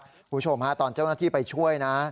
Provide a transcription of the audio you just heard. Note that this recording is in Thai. คุณผู้ชมฮะตอนเจ้าหน้าที่ไปช่วยนะ